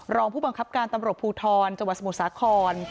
รองผู้บังคับการตำรวจภูทรจังหวัดสมุทรสาคร